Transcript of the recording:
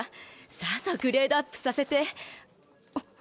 さぞグレードアップさせて。